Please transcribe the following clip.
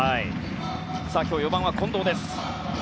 今日、４番は近藤です。